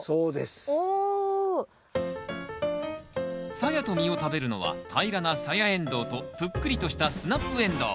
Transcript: サヤと実を食べるのは平らなサヤエンドウとぷっくりとしたスナップエンドウ。